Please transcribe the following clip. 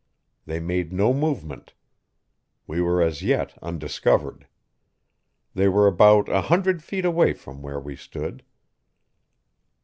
They made no movement; we were as yet undiscovered. They were about a hundred feet away from where we stood.